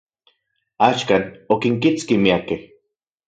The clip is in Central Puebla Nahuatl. Axkan, okinkitski miakej.